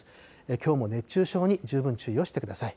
きょうも熱中症に十分注意をしてください。